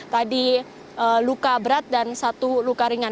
tadi luka berat dan satu luka ringan